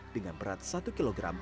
dengan berat satu kg